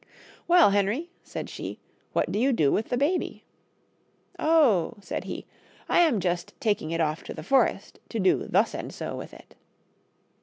"Well, Henry," said she, "what do you do with the baby?" " Oh !" said he, " I am just taking it off to the forest to do thus and so with it."